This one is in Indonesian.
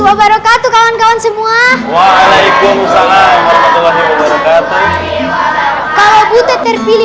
warahmatullahi wabarakatuh kawan kawan semua waalaikumsalam warahmatullahi wabarakatuh kalau butet terpilih